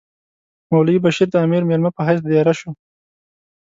مولوی بشیر د امیر مېلمه په حیث دېره شو.